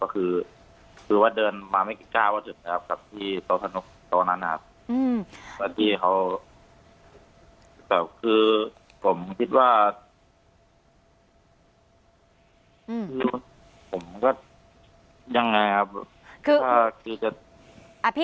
คือผมก็ยังไงครับ